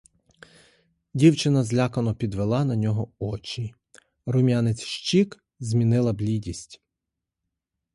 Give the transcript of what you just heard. Дівчина злякано підвела на нього очі: рум'янець щік змінила блідість.